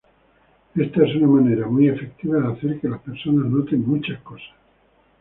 Esta es una manera muy efectiva de hacer que las personas noten muchas cosas.